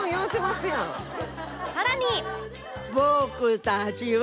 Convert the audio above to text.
さらに